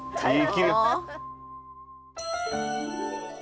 はい。